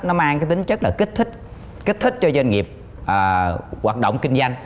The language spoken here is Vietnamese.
nó mang cái tính chất là kích thích cho doanh nghiệp hoạt động kinh doanh